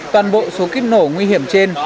toàn bộ số kiếp nổ nguy hiểm trên